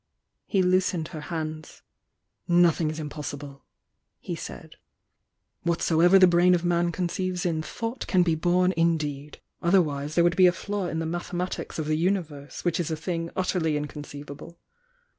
He loosened her hands. "Nothing is impossible!" he said. "Whatsoever the brain of a man conceives in thought can be bom in deed. Otherwise there would be a flaw in the mathematics of the Universe, which is a thing utter ly mconceivable."